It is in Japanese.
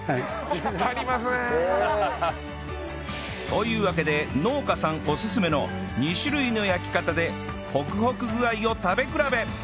というわけで農家さんおすすめの２種類の焼き方でホクホク具合を食べ比べ